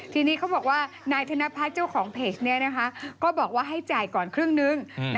ทีนี้เขาบอกว่านายธนพัฒน์เจ้าของเพจนี้ก็บอกว่าให้จ่ายก่อนครึ่งนึง